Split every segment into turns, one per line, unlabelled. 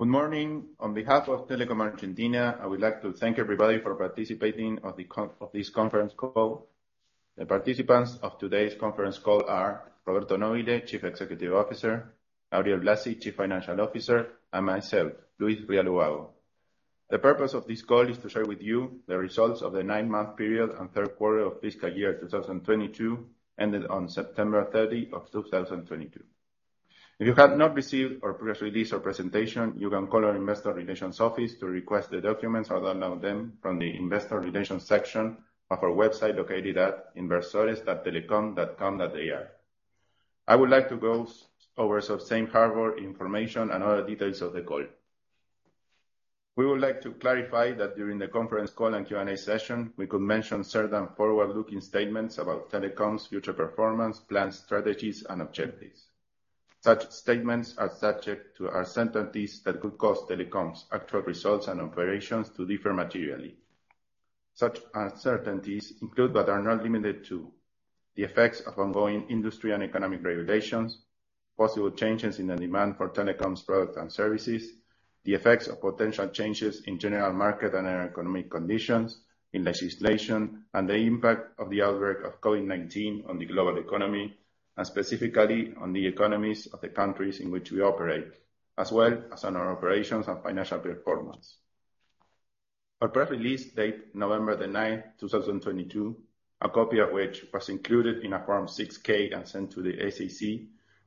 Good morning. On behalf of Telecom Argentina, I would like to thank everybody for participating on the conference call. The participants of today's conference call are Roberto Nóbile, Chief Executive Officer, Gabriel Blasi, Chief Financial Officer, and myself, Luis Rial Ubago. The purpose of this call is to share with you the results of the nine-month period and third quarter of fiscal year 2022 ended on September 30 of 2022. If you have not received our press release or presentation, you can call our investor relations office to request the documents or download them from the investor relations section of our website, located at inversores.telecom.com.ar. I would like to go over some safe harbor information and other details of the call. We would like to clarify that during the conference call and Q&A session, we could mention certain forward-looking statements about Telecom's future performance, plans, strategies, and objectives. Such statements are subject to uncertainties that could cause Telecom's actual results and operations to differ materially. Such uncertainties include, but are not limited to, the effects of ongoing industry and economic regulations, possible changes in the demand for Telecom's products and services, the effects of potential changes in general market and economic conditions, in legislation, and the impact of the outbreak of COVID-19 on the global economy, and specifically on the economies of the countries in which we operate, as well as on our operations and financial performance. Our press release dated November the 9th, 2022, a copy of which was included in our Form 6-K and sent to the SEC,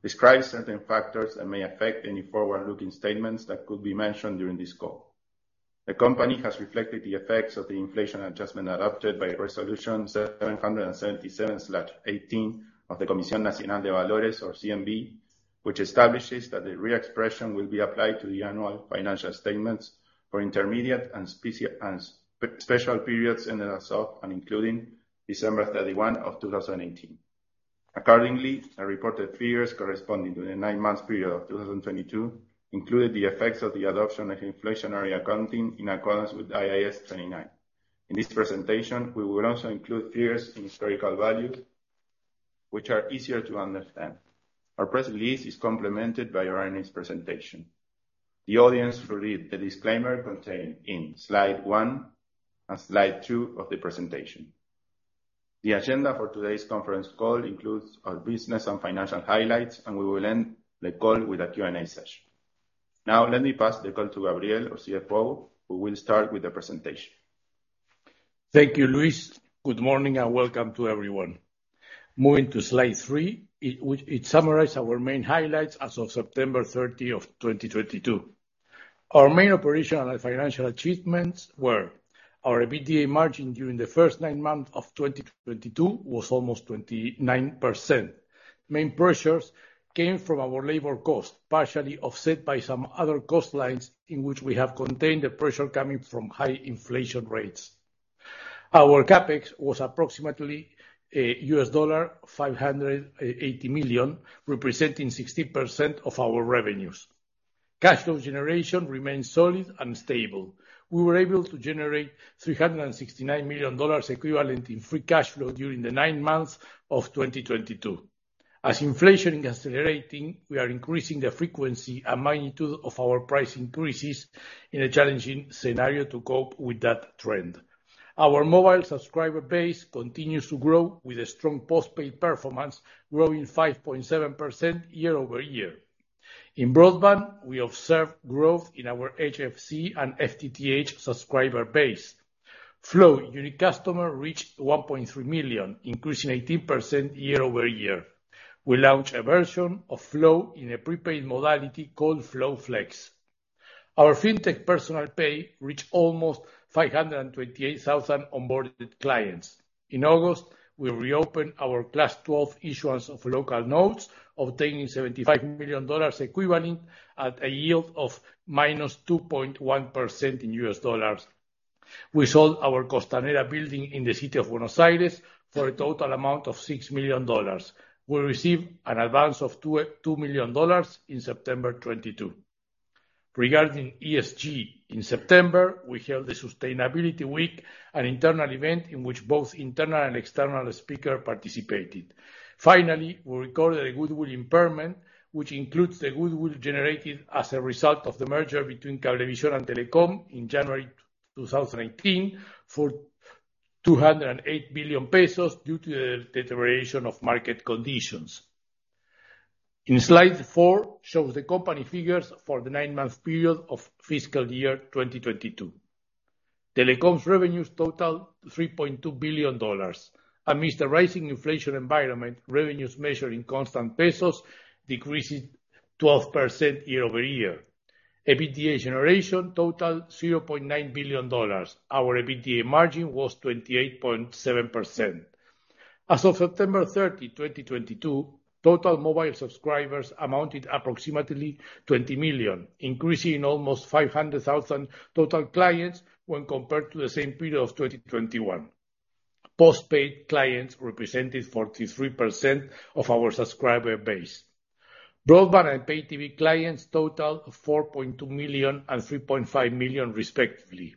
describes certain factors that may affect any forward-looking statements that could be mentioned during this call. The company has reflected the effects of the inflation adjustment adopted by Resolution 777/2018 of the Comisión Nacional de Valores or CNV, which establishes that the reexpression will be applied to the annual financial statements for intermediate and special periods ending as of, and including, December 31, 2018. Accordingly, our reported figures corresponding to the nine-month period of 2022 included the effects of the adoption of inflationary accounting in accordance with IAS 29. In this presentation, we will also include figures in historical value which are easier to understand. Our press release is complemented by our earnings presentation. The audience should read the disclaimer contained in slide one and slide two of the presentation. The agenda for today's conference call includes our business and financial highlights, and we will end the call with a Q&A session. Now let me pass the call to Gabriel, our CFO, who will start with the presentation.
Thank you, Luis. Good morning and welcome to everyone. Moving to slide three, it summarizes our main highlights as of September 30, 2022. Our main operational and financial achievements were. Our EBITDA margin during the first nine months of 2022 was almost 29%. Main pressures came from our labor cost, partially offset by some other cost lines in which we have contained the pressure coming from high inflation rates. Our CapEx was approximately $580 million, representing 16% of our revenues. Cash flow generation remains solid and stable. We were able to generate $369 million equivalent in free cash flow during the nine months of 2022. As inflation is accelerating, we are increasing the frequency and magnitude of our price increases in a challenging scenario to cope with that trend. Our mobile subscriber base continues to grow with a strong post-paid performance, growing 5.7% year-over-year. In broadband, we observed growth in our HFC and FTTH subscriber base. Flow unique customer reached 1.3 million, increasing 18% year-over-year. We launched a version of Flow in a prepaid modality called Flow Flex. Our fintech Personal Pay reached almost 528,000 onboarded clients. In August, we reopened our Class 12 issuance of local notes, obtaining $75 million equivalent at a yield of -2.1% in US dollars. We sold our Costanera building in the city of Buenos Aires for a total amount of $6 million. We received an advance of $22 million in September 2022. Regarding ESG, in September, we held the Sustainability Week, an internal event in which both internal and external speakers participated. We recorded a goodwill impairment, which includes the goodwill generated as a result of the merger between Cablevisión and Telecom in January 2018 for 208 billion pesos due to the deterioration of market conditions. Slide four shows the company figures for the nine-month period of fiscal year 2022. Telecom's revenues total $3.2 billion. Amidst the rising inflation environment, revenues measured in constant pesos decreased 12% year-over-year. EBITDA generation totaled $0.9 billion. Our EBITDA margin was 28.7%. As of September 30, 2022, total mobile subscribers amounted to approximately 20 million, increasing almost 500,000 total clients when compared to the same period of 2021. Post-paid clients represented 43% of our subscriber base. Broadband and Pay TV clients totaled 4.2 million and 3.5 million respectively.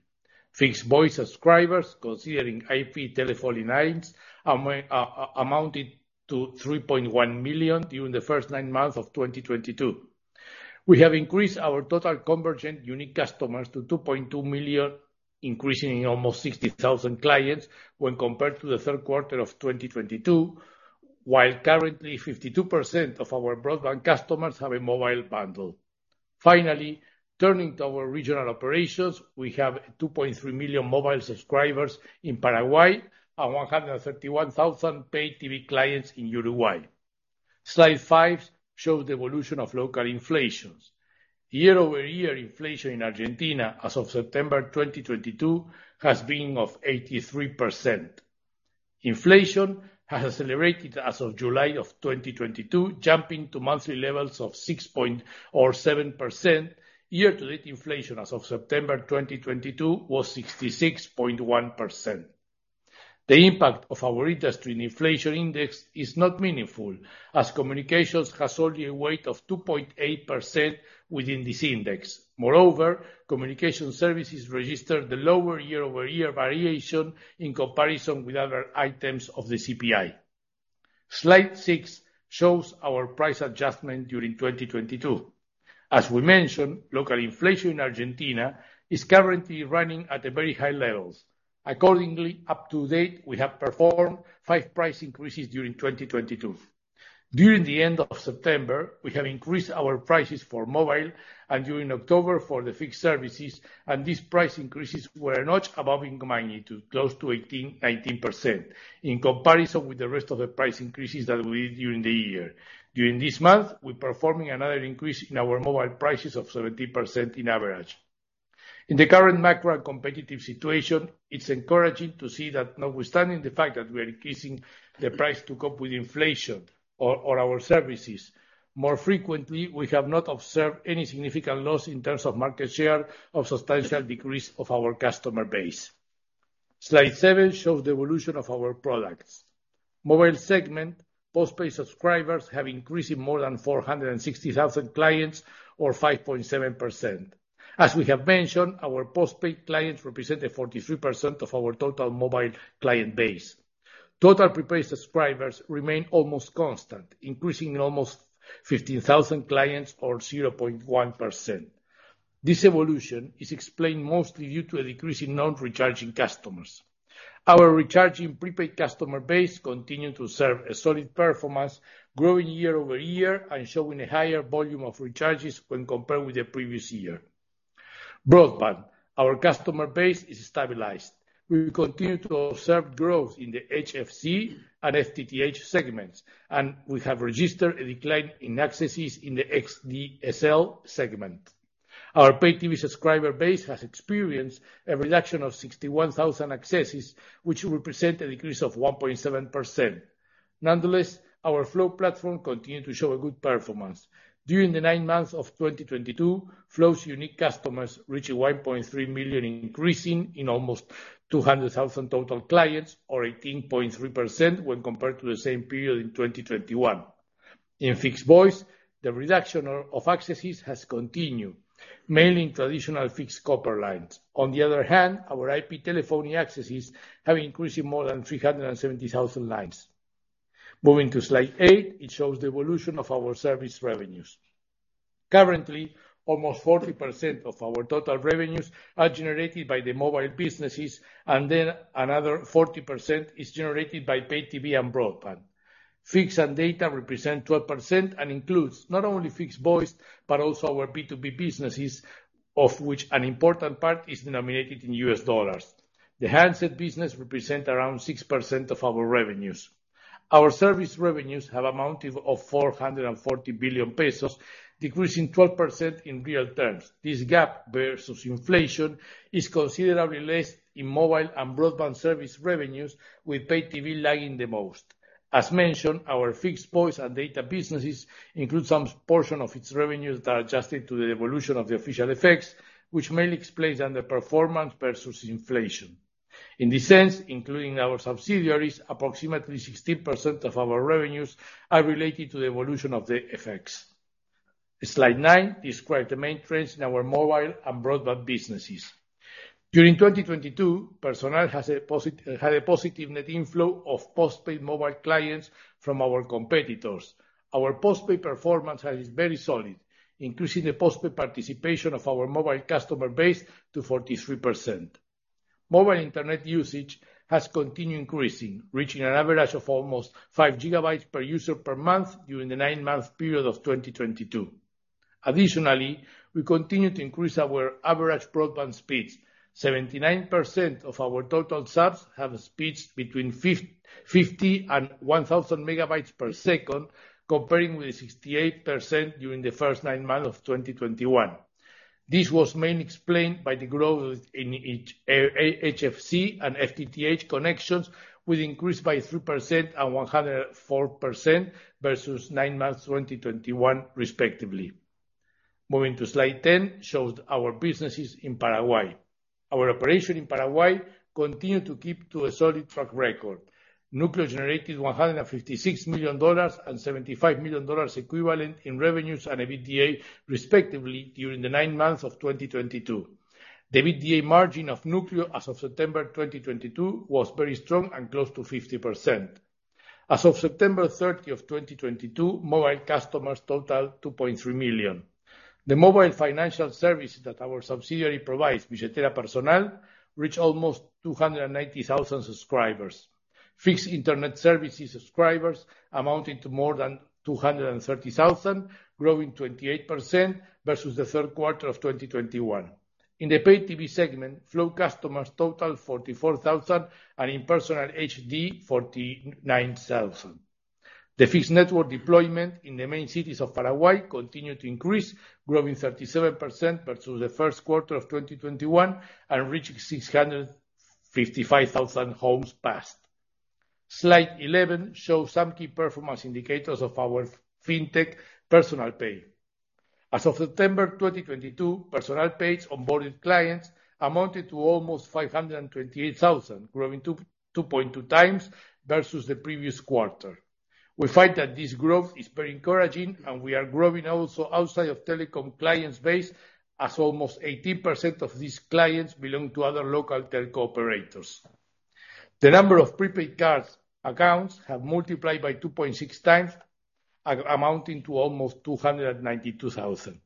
Fixed voice subscribers considering IP telephony items amounted to 3.1 million during the first nine months of 2022. We have increased our total converged unique customers to 2.2 million, increasing in almost 60,000 clients when compared to the third quarter of 2022. While currently 52% of our broadband customers have a mobile bundle. Finally, turning to our regional operations, we have 2.3 million mobile subscribers in Paraguay and 131,000 Pay TV clients in Uruguay. Slide five shows the evolution of local inflation. Year-over-year inflation in Argentina as of September 2022 has been of 83%. Inflation has accelerated as of July 2022, jumping to monthly levels of 6 or 7%. Year-to-date inflation as of September 2022 was 66.1%. The impact of our industry inflation index is not meaningful, as communications has only a weight of 2.8% within this index. Moreover, communication services registered the lower year-over-year variation in comparison with other items of the CPI. Slide six shows our price adjustment during 2022. As we mentioned, local inflation in Argentina is currently running at very high levels. Accordingly, up to date, we have performed five price increases during 2022. During the end of September, we have increased our prices for mobile, and during October for the fixed services, and these price increases were not above in magnitude close to 18%-19%, in comparison with the rest of the price increases that we did during the year. During this month, we're performing another increase in our mobile prices of 17% on average. In the current macro and competitive situation, it's encouraging to see that notwithstanding the fact that we are increasing the price to cope with inflation or our services more frequently, we have not observed any significant loss in terms of market share or substantial decrease of our customer base. Slide seven shows the evolution of our products. Mobile segment, postpaid subscribers have increased by more than 460,000 clients or 5.7%. As we have mentioned, our postpaid clients represent a 43% of our total mobile client base. Total prepaid subscribers remain almost constant, increasing in almost 15,000 clients or 0.1%. This evolution is explained mostly due to a decrease in non-recharging customers. Our recharging prepaid customer base continued to serve a solid performance, growing year over year and showing a higher volume of recharges when compared with the previous year. Broadband, our customer base is stabilized. We will continue to observe growth in the HFC and FTTH segments, and we have registered a decline in accesses in the XDSL segment. Our Pay TV subscriber base has experienced a reduction of 61,000 accesses, which represent a decrease of 1.7%. Nonetheless, our Flow platform continued to show a good performance. During the nine months of 2022, Flow's unique customers reached 1.3 million, increasing in almost 200,000 total clients or 18.3% when compared to the same period in 2021. In fixed voice, the reduction of accesses has continued, mainly in traditional fixed copper lines. On the other hand, our IP telephony accesses have increased in more than 370,000 lines. Moving to slide eight, it shows the evolution of our service revenues. Currently, almost 40% of our total revenues are generated by the mobile businesses, and then another 40% is generated by Pay TV and broadband. Fixed and data represent 12% and includes not only fixed voice, but also our B2B businesses, of which an important part is denominated in US dollars. The handset business represent around 6% of our revenues. Our service revenues have amounted to 440 billion pesos, decreasing 12% in real terms. This gap versus inflation is considerably less in mobile and broadband service revenues, with Pay TV lagging the most. As mentioned, our fixed voice and data businesses include some portion of its revenues that are adjusted to the evolution of the official FX, which mainly explains underperformance versus inflation. In this sense, including our subsidiaries, approximately 16% of our revenues are related to the evolution of the FX. Slide 9 describe the main trends in our mobile and broadband businesses. During 2022, Personal had a positive net inflow of postpaid mobile clients from our competitors. Our postpaid performance has very solid, increasing the postpaid participation of our mobile customer base to 43%. Mobile internet usage has continued increasing, reaching an average of almost 5 GB per user per month during the nine-month period of 2022. Additionally, we continue to increase our average broadband speeds. 79% of our total subs have speeds between 50 and 1,000 Mbps, comparing with the 68% during the first nine months of 2021. This was mainly explained by the growth in HFC and FTTH connections, which increased by 3% and 104% versus nine months 2021, respectively. Moving to slide 10 shows our businesses in Paraguay. Our operation in Paraguay continued to keep to a solid track record. Núcleo generated $156 million and $75 million equivalent in revenues and EBITDA, respectively, during the nine months of 2022. The EBITDA margin of Núcleo as of September 2022 was very strong and close to 50%. As of September 30, 2022, mobile customers total 2.3 million. The mobile financial service that our subsidiary provides, Billetera Personal, reach almost 290,000 subscribers. Fixed internet services subscribers amounted to more than 230,000, growing 28% versus the third quarter of 2021. In the pay TV segment, Flow customers total 44,000, and in Personal HD, 49,000. The fixed network deployment in the main cities of Paraguay continue to increase, growing 37% versus the first quarter of 2021 and reaching 655,000 homes passed. Slide 11 shows some key performance indicators of our fintech Personal Pay. As of September 2022, Personal Pay's onboarded clients amounted to almost 528,000, growing 2.2x versus the previous quarter. We find that this growth is very encouraging, and we are growing also outside of Telecom client base, as almost 18% of these clients belong to other local telco operators. The number of prepaid cards accounts have multiplied by 2.6x, amounting to almost 292,000.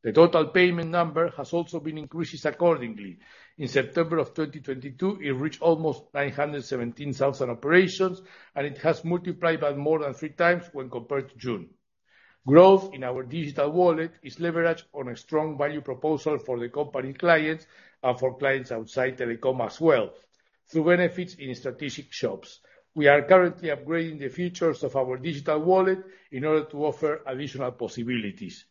The total payment number has also increased accordingly. In September 2022, it reached almost 917,000 operations, and it has multiplied by more than 3x when compared to June. Growth in our digital wallet is leveraged on a strong value proposal for the company clients and for clients outside Telecom as well, through benefits in strategic shops. We are currently upgrading the features of our digital wallet in order to offer additional possibilities.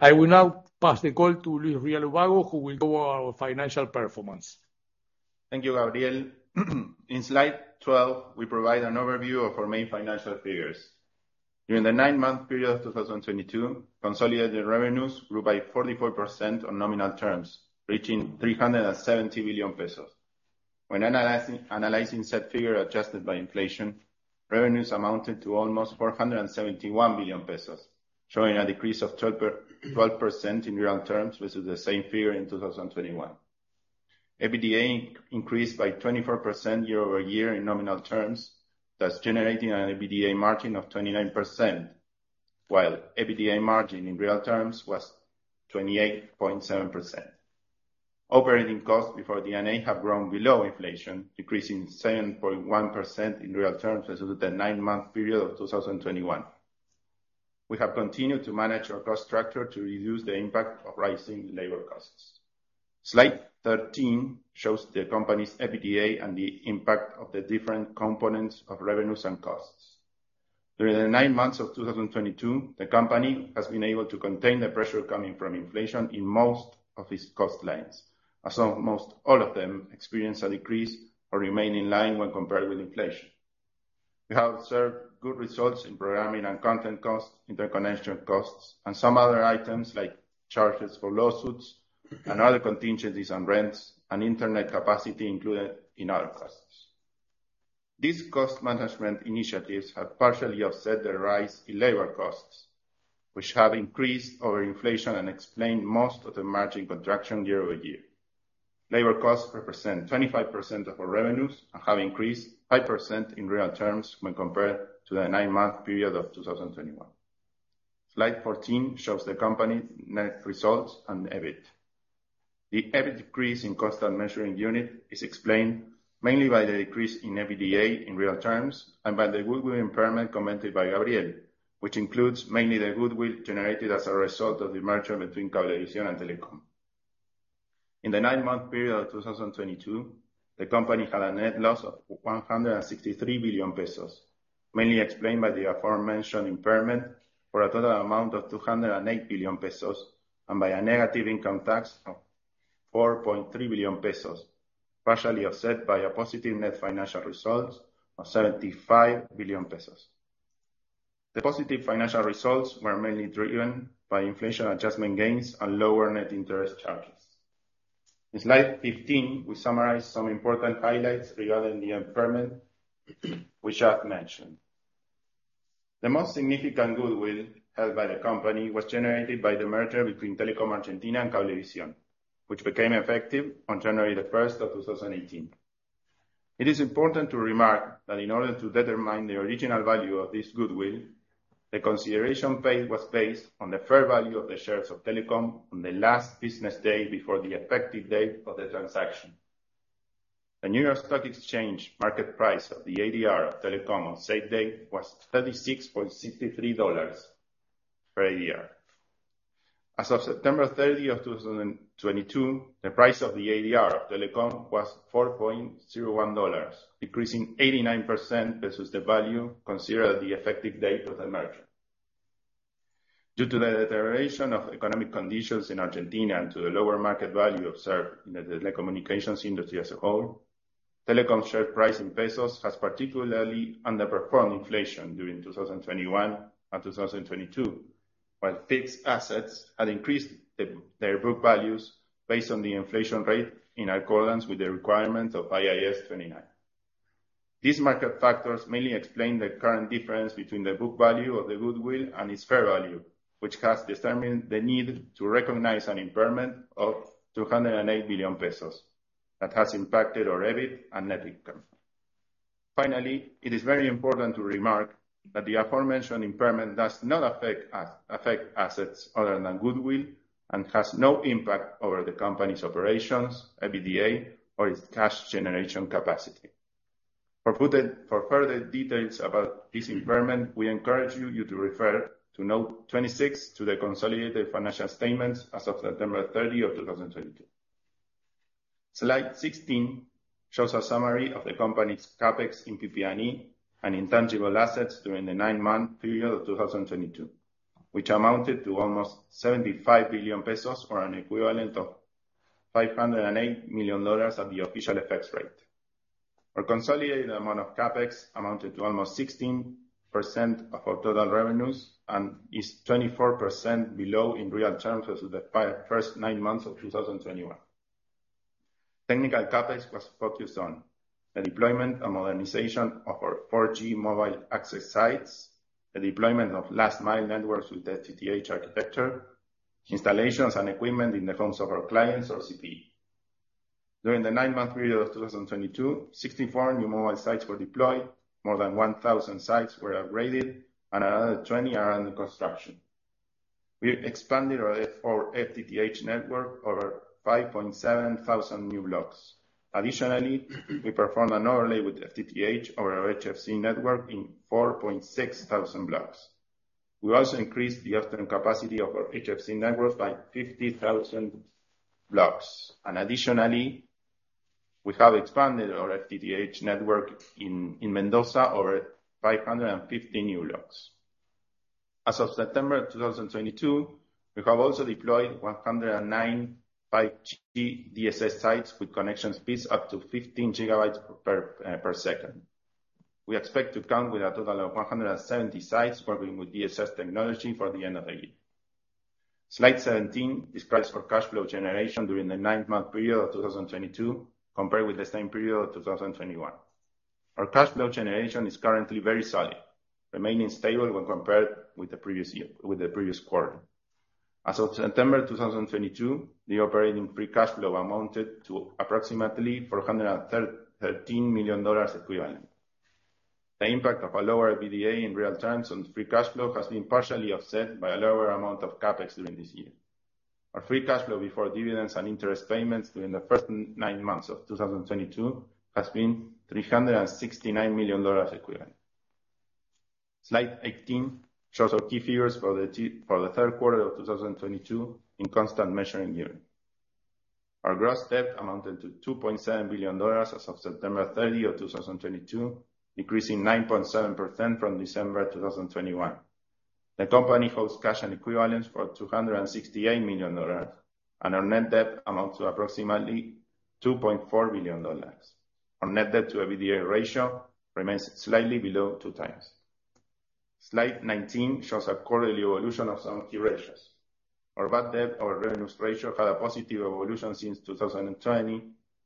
I will now pass the call to Luis Rial Ubago, who will go over our financial performance.
Thank you, Gabriel. In slide 12, we provide an overview of our main financial figures. During the 9-month period of 2022, consolidated revenues grew by 44% on nominal terms, reaching 370 billion pesos. When analyzing said figure adjusted by inflation, revenues amounted to almost 471 billion pesos, showing a decrease of 12% in real terms versus the same figure in 2021. EBITDA increased by 24% year-over-year in nominal terms, thus generating an EBITDA margin of 29%, while EBITDA margin in real terms was 28.7%. Operating costs before D&A have grown below inflation, decreasing 7.1% in real terms versus the 9-month period of 2021. We have continued to manage our cost structure to reduce the impact of rising labor costs. Slide 13 shows the company's EBITDA and the impact of the different components of revenues and costs. During the nine months of 2022, the company has been able to contain the pressure coming from inflation in most of its cost lines, as almost all of them experienced a decrease or remain in line when compared with inflation. We have observed good results in programming and content costs, interconnection costs, and some other items like charges for lawsuits and other contingencies on rents and internet capacity included in other costs. These cost management initiatives have partially offset the rise in labor costs, which have increased over inflation and explained most of the margin contraction year-over-year. Labor costs represent 25% of our revenues and have increased 5% in real terms when compared to the nine-month period of 2021. Slide 14 shows the company's net results and EBIT. The EBIT decrease in constant measuring unit is explained mainly by the decrease in EBITDA in real terms and by the goodwill impairment commented by Gabriel, which includes mainly the goodwill generated as a result of the merger between Cablevisión and Telecom. In the nine-month period of 2022, the company had a net loss of 163 billion pesos, mainly explained by the aforementioned impairment for a total amount of 208 billion pesos and by a negative income tax of 4.3 billion pesos, partially offset by a positive net financial results of 75 billion pesos. The positive financial results were mainly driven by inflation adjustment gains and lower net interest charges. In slide 15, we summarize some important highlights regarding the impairment we just mentioned. The most significant goodwill held by the company was generated by the merger between Telecom Argentina and Cablevisión, which became effective on January the 1st, 2018. It is important to remark that in order to determine the original value of this goodwill, the consideration paid was based on the fair value of the shares of Telecom on the last business day before the effective date of the transaction. The New York Stock Exchange market price of the ADR of Telecom on said date was $36.63 per share. As of September 30, 2022, the price of the ADR of Telecom was $4.01, decreasing 89% versus the value considered the effective date of the merger. Due to the deterioration of economic conditions in Argentina and to the lower market value observed in the telecommunications industry as a whole, Telecom's share price in pesos has particularly underperformed inflation during 2021 and 2022, while fixed assets had increased their book values based on the inflation rate in accordance with the requirements of IAS 29. These market factors mainly explain the current difference between the book value of the goodwill and its fair value, which has determined the need to recognize an impairment of 208 billion pesos. That has impacted our EBIT and net income. Finally, it is very important to remark that the aforementioned impairment does not affect assets other than goodwill and has no impact over the company's operations, EBITDA, or its cash generation capacity. For further details about this impairment, we encourage you to refer to note 26 to the consolidated financial statements as of September 30, 2022. Slide 16 shows a summary of the company's CapEx in PP&E and intangible assets during the nine-month period of 2022, which amounted to almost 75 billion pesos or an equivalent of $508 million at the official exchange rate. Our consolidated amount of CapEx amounted to almost 16% of our total revenues and is 24% below in real terms as of the first nine months of 2021. Technical CapEx was focused on the deployment and modernization of our 4G mobile access sites, the deployment of last mile networks with the FTTH architecture, installations and equipment in the homes of our clients or CPE. During the nine month period of 2022, 64 new mobile sites were deployed, more than 1,000 sites were upgraded, and another 20 are under construction. We expanded our FTTH network over 5,700 new blocks. Additionally, we performed an overlay with FTTH over HFC network in 4,600 blocks. We also increased the upstream capacity of our HFC networks by 50,000 blocks. Additionally, we have expanded our FTTH network in Mendoza over 550 new blocks. As of September 2022, we have also deployed 109 5G DSS sites with connection speeds up to 15 GB/s. We expect to count with a total of 170 sites working with DSS technology for the end of the year. Slide 17 describes our cash flow generation during the nine-month period of 2022 compared with the same period of 2021. Our cash flow generation is currently very solid, remaining stable when compared with the previous year, with the previous quarter. As of September 2022, the operating free cash flow amounted to approximately $413 million equivalent. The impact of a lower EBITDA in real terms on free cash flow has been partially offset by a lower amount of CapEx during this year. Our free cash flow before dividends and interest payments during the first nine months of 2022 has been $369 million equivalent. Slide 18 shows our key figures for the third quarter of 2022 in constant currency year-over-year. Our gross debt amounted to $2.7 billion as of September 30, 2022, decreasing 9.7% from December 2021. The company holds cash and equivalents for $268 million, and our net debt amounts to approximately $2.4 billion. Our net debt to EBITDA ratio remains slightly below 2x. Slide 19 shows a quarterly evolution of some key ratios. Our bad debt over revenues ratio had a positive evolution since 2020,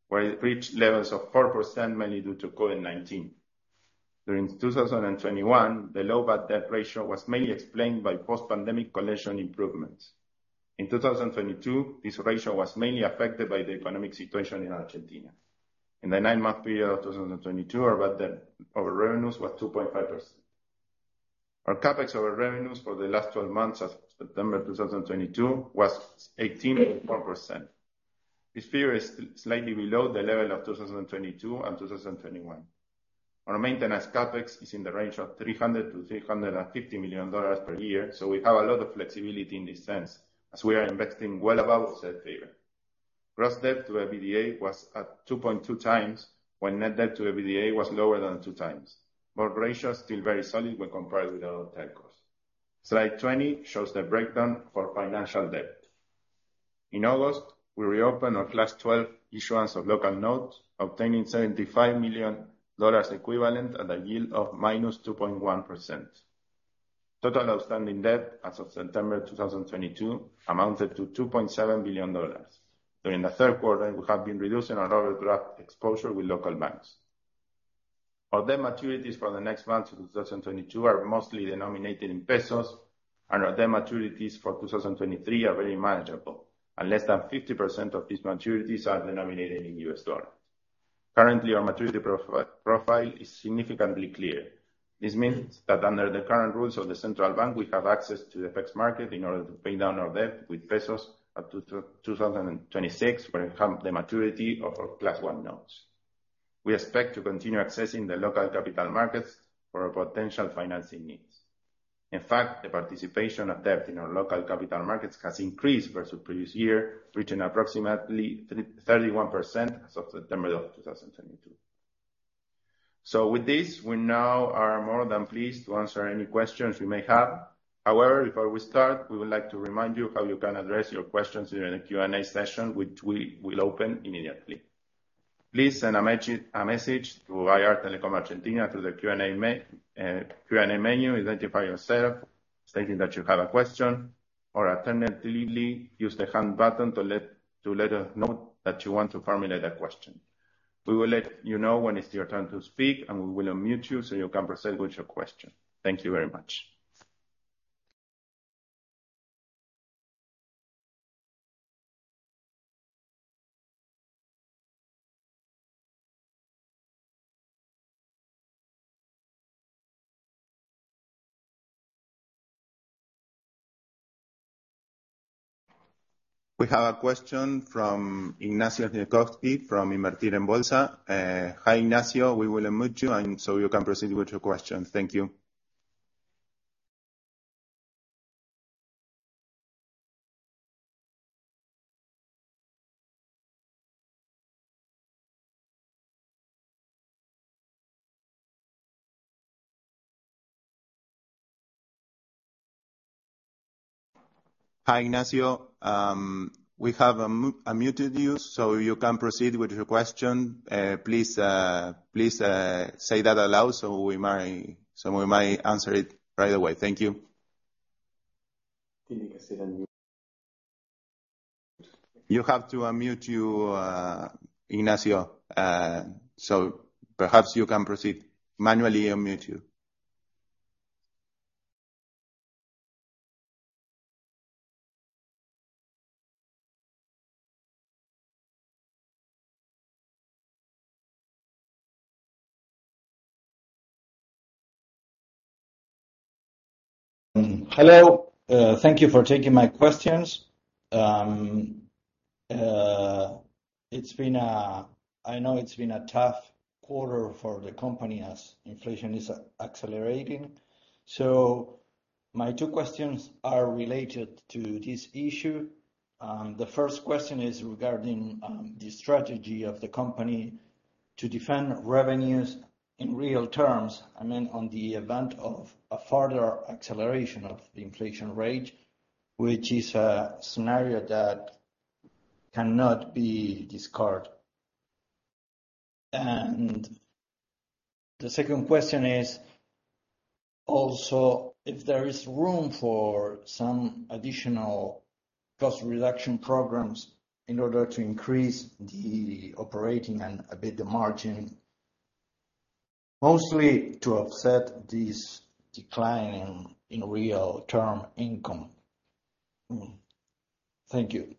where it reached levels of 4% mainly due to COVID-19. During 2021, the low bad debt ratio was mainly explained by post-pandemic collection improvements. In 2022, this ratio was mainly affected by the economic situation in Argentina. In the 9-month period of 2022, our bad debt over revenues was 2.5%. Our CapEx over revenues for the last 12 months as of September 2022 was 18.4%. This figure is slightly below the level of 2022 and 2021. Our maintenance CapEx is in the range of $300 million-$350 million per year, so we have a lot of flexibility in this sense as we are investing well above said figure. Gross debt to EBITDA was at 2.2x, while net debt to EBITDA was lower than 2x. Both ratios still very solid when compared with other telcos. Slide 20 shows the breakdown for financial debt. In August, we reopened our Class 12 issuance of local notes, obtaining $75 million equivalent at a yield of -2.1%. Total outstanding debt as of September 2022 amounted to $2.7 billion. During the third quarter, we have been reducing our overdraft exposure with local banks. Our debt maturities for the next month of 2022 are mostly denominated in pesos, and our debt maturities for 2023 are very manageable. Less than 50% of these maturities are denominated in US dollars. Currently, our maturity profile is significantly clear. This means that under the current rules of the Central Bank, we have access to the FX market in order to pay down our debt with pesos up to 2026, when it comes the maturity of our Class 1 notes. We expect to continue accessing the local capital markets for our potential financing needs. In fact, the participation of debt in our local capital markets has increased versus previous year, reaching approximately 31% as of September 2022. With this, we now are more than pleased to answer any questions you may have. However, before we start, we would like to remind you how you can address your questions during the Q&A session, which we will open immediately. Please send a message to IR Telecom Argentina through the Q&A menu. Identify yourself, stating that you have a question or alternatively use the Hand button to let us know that you want to formulate a question. We will let you know when it's your turn to speak, and we will unmute you so you can proceed with your question. Thank you very much.
We have a question from Ignacio Sniechowski from Invertir en Bolsa. Hi Ignacio, we will unmute you and so you can proceed with your question. Thank you. Hi Ignacio, we have unmuted you, so you can proceed with your question. Please say that aloud so we might answer it right away. Thank you.
Can you please unmute?
You have to unmute you, Ignacio, so perhaps you can proceed. Manually unmute you.
Hello. Thank you for taking my questions. It's been a tough quarter for the company as inflation is accelerating. My two questions are related to this issue. The first question is regarding the strategy of the company to defend revenues in real terms, and then on the event of a further acceleration of the inflation rate, which is a scenario that cannot be discarded. The second question is also if there is room for some additional cost reduction programs in order to increase the operating and EBITDA margin, mostly to offset this decline in real term income. Thank you.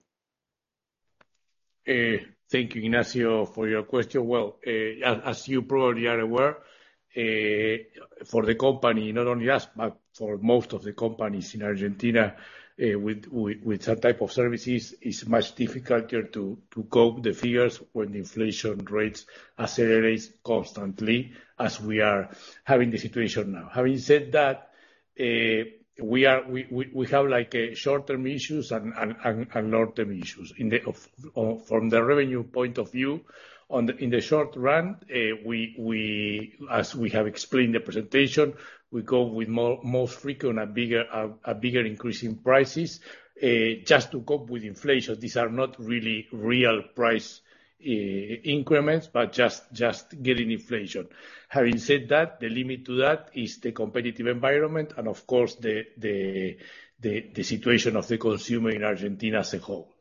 Thank you, Ignacio, for your question. As you probably are aware, for the company, not only us, but for most of the companies in Argentina, with that type of services, it's much more difficult to cope with the figures when inflation rates accelerate constantly as we are having the situation now. Having said that, we have like short-term issues and long-term issues. From the revenue point of view, in the short run, as we have explained in the presentation, we go with more frequent and bigger increases in prices just to cope with inflation. These are not really real price increments, but just getting inflation. Having said that, the limit to that is the competitive environment, and of course, the situation of the consumer in Argentina as a whole.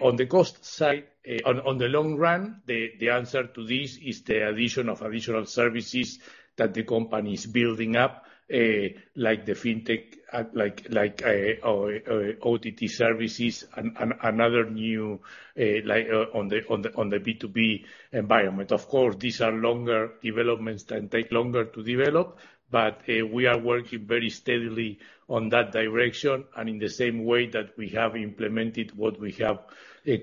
On the cost side, in the long run, the answer to this is the addition of additional services that the company is building up, like the fintech, like OTT services and another new, like in the B2B environment. Of course, these are longer developments that take longer to develop, but we are working very steadily in that direction, and in the same way that we have implemented what we have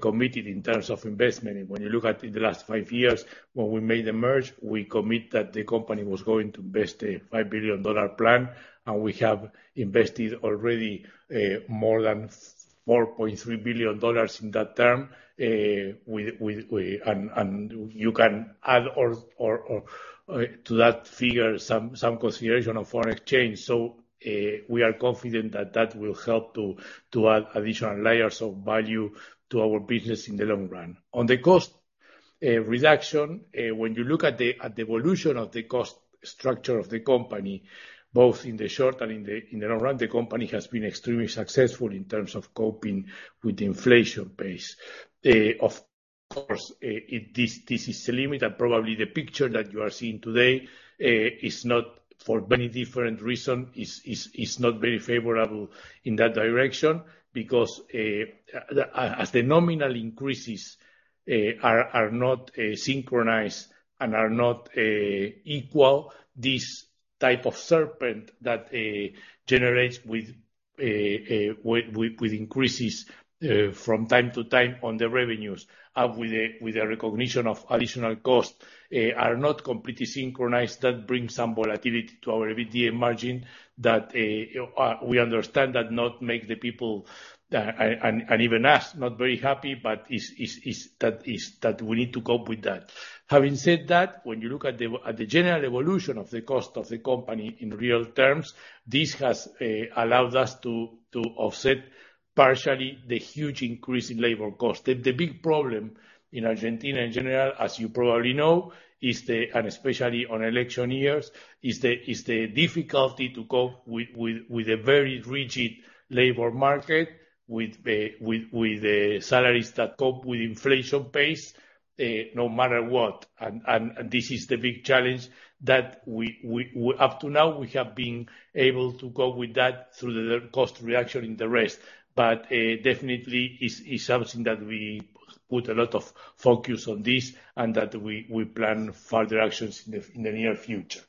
committed in terms of investment. When you look at the last five years, when we made the merger, we commit that the company was going to invest a $5 billion plan, and we have invested already more than $4.3 billion in that term. You can add more to that figure, some consideration of foreign exchange. We are confident that that will help to add additional layers of value to our business in the long run. On the cost reduction, when you look at the evolution of the cost structure of the company, both in the short and in the long run, the company has been extremely successful in terms of coping with the inflation pace. Of course, this is the limit, and probably the picture that you are seeing today is not, for many different reasons, very favorable in that direction. Because as the nominal increases are not synchronized and are not equal, this type of serpent that it generates with increases from time to time on the revenues and with a recognition of additional costs are not completely synchronized. That brings some volatility to our EBITDA margin that we understand does not make the people and even us very happy, but it is that we need to cope with that. Having said that, when you look at the general evolution of the cost of the company in real terms, this has allowed us to offset partially the huge increase in labor cost. The big problem in Argentina in general, as you probably know, and especially on election years, is the difficulty to cope with a very rigid labor market, with the salaries that cope with inflation pace, no matter what. This is the big challenge that we up to now have been able to cope with that through the cost reduction in the rest. Definitely is something that we put a lot of focus on this and that we plan further actions in the near future.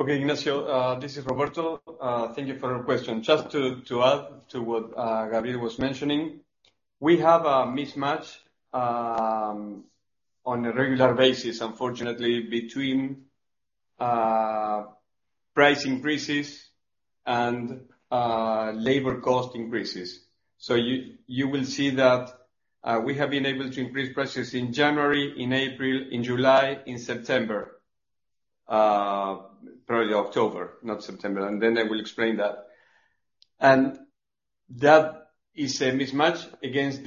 Okay, Ignacio, this is Roberto. Thank you for your question. Just to add to what Gabriel was mentioning, we have a mismatch on a regular basis, unfortunately, between price increases and labor cost increases. You will see that we have been able to increase prices in January, in April, in July, in September. Probably October, not September, and then I will explain that. That is a mismatch against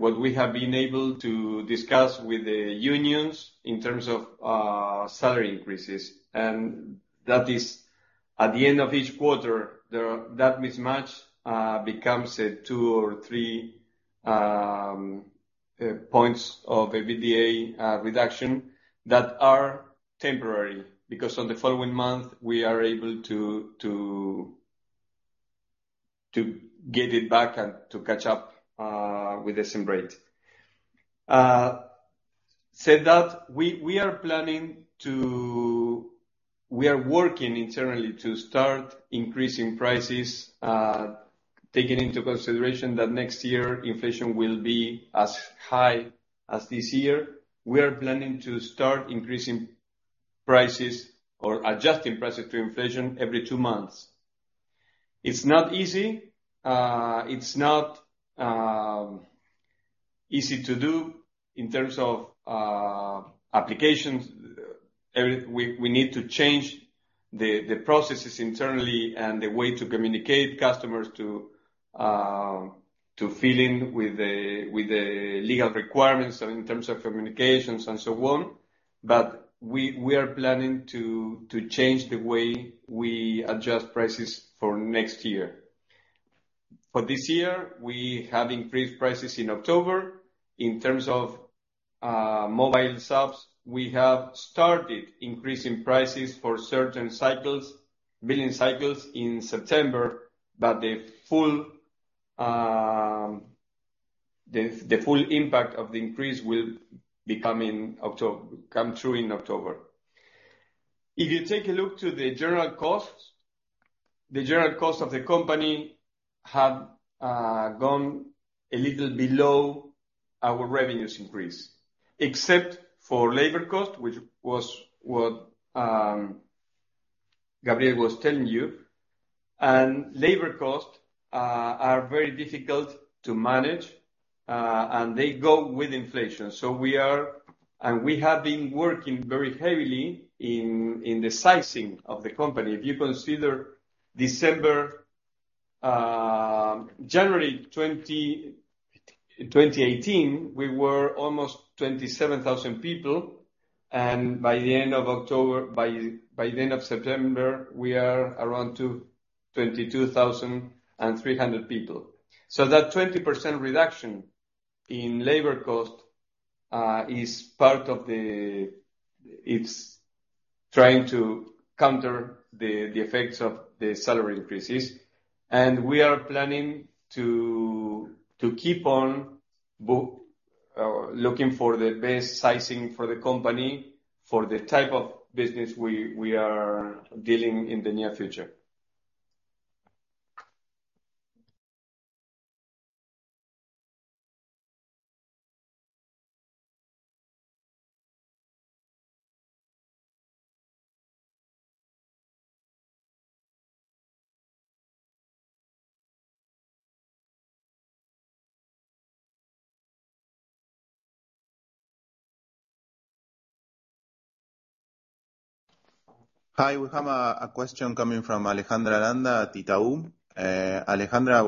what we have been able to discuss with the unions in terms of salary increases. That is at the end of each quarter, that mismatch becomes a two or three points of EBITDA reduction that are temporary, because on the following month, we are able to get it back and to catch up with the same rate. We are working internally to start increasing prices, taking into consideration that next year inflation will be as high as this year. We are planning to start increasing prices or adjusting prices to inflation every two months. It's not easy. It's not easy to do in terms of applications. We need to change the processes internally and the way to communicate to customers to fit in with the legal requirements in terms of communications and so on. We are planning to change the way we adjust prices for next year. For this year, we have increased prices in October. In terms of mobile subs, we have started increasing prices for certain cycles, billing cycles in September, but the full impact of the increase will come through in October. If you take a look at the general costs, the general costs of the company have gone a little below our revenues increase, except for labor cost, which was what Gabriel was telling you. Labor costs are very difficult to manage, and they go with inflation. We have been working very heavily in the sizing of the company. If you consider December, January 2018, we were almost 27,000 people, and by the end of September, we are around 22,300 people. That 20% reduction in labor cost is part of the. It's trying to counter the effects of the salary increases. We are planning to keep on looking for the best sizing for the company for the type of business we are dealing in the near future. We have a question coming from Alejandra Aranda at Itaú. Alejandra,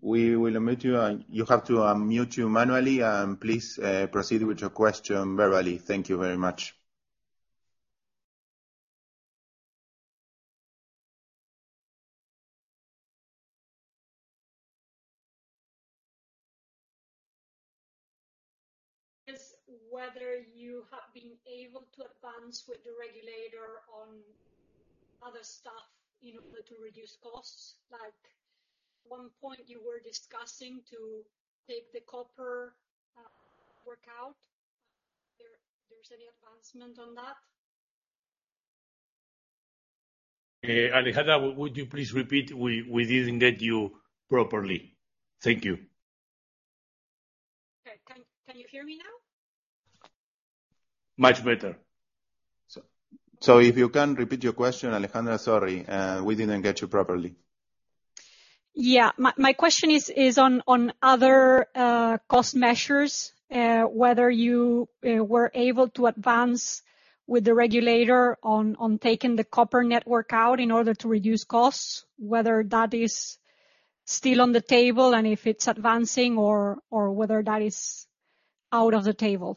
we will admit you, and you have to unmute you manually, and please proceed with your question verbally. Thank you very much.
It's whether you have been able to advance with the regulator on other stuff in order to reduce costs. Like, one point you were discussing to take the copper workout. Is there any advancement on that?
Alejandra, would you please repeat? We didn't get you properly. Thank you.
Okay. Can you hear me now?
Much better. If you can repeat your question, Alejandra, sorry, we didn't get you properly.
Yeah. My question is on other cost measures, whether you were able to advance with the regulator on taking the copper network out in order to reduce costs, whether that is still on the table and if it's advancing or whether that is off the table.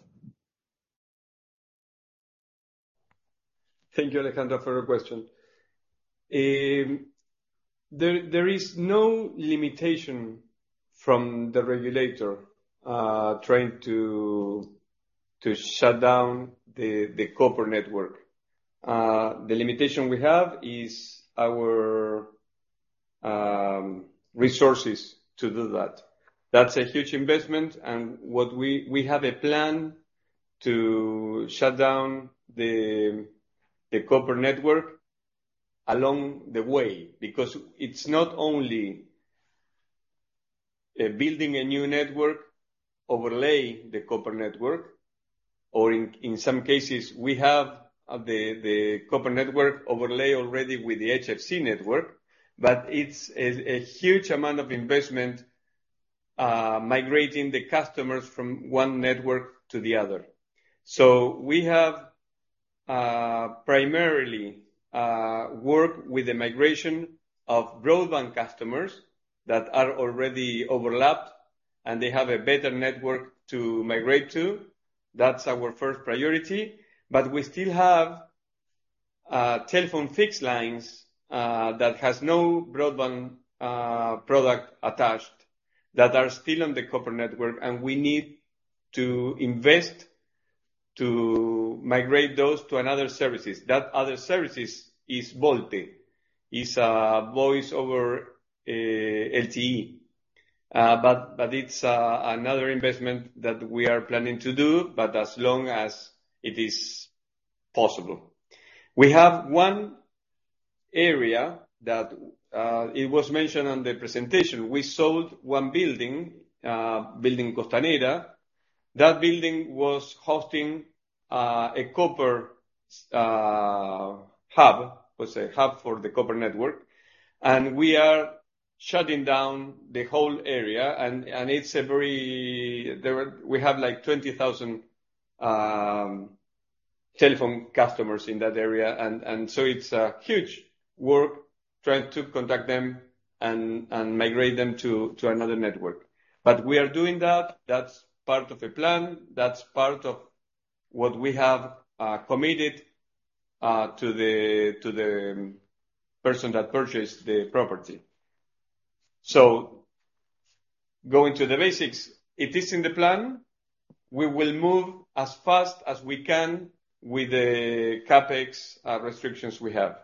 Thank you, Alejandra, for your question. There is no limitation from the regulator trying to shut down the copper network. The limitation we have is our resources to do that. That's a huge investment and we have a plan to shut down the copper network along the way, because it's not only building a new network over the copper network, or in some cases, we have the copper network overlaid already with the HFC network. It's a huge amount of investment migrating the customers from one network to the other. We primarily work with the migration of broadband customers that are already overlapped, and they have a better network to migrate to. That's our first priority, but we still have telephone fixed lines that has no broadband product attached, that are still on the copper network, and we need to invest to migrate those to another services. That other services is VoLTE, is voice over LTE. It's another investment that we are planning to do, but as long as it is possible. We have one area that it was mentioned on the presentation. We sold one building, Building Costanera. That building was hosting a copper hub for the copper network. We are shutting down the whole area, and we have, like, 20,000 telephone customers in that area. It's a huge work trying to contact them and migrate them to another network. We are doing that. That's part of a plan. That's part of what we have committed to the person that purchased the property. Going to the basics, it is in the plan. We will move as fast as we can with the CapEx restrictions we have.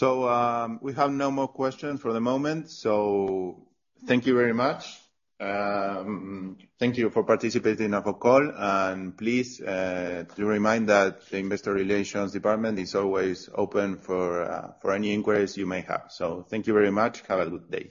We have no more questions for the moment, so thank you very much. Thank you for participating in our call. Please to remind that the investor relations department is always open for any inquiries you may have. Thank you very much. Have a good day.